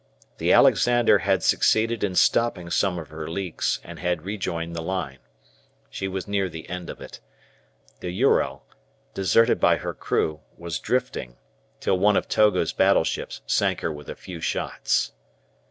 The "Alexander" had succeeded in stopping some of her leaks and had rejoined the line. She was near the end of it. The "Ural," deserted by her crew, was drifting, till one of Togo's battleships sank her with a few shots.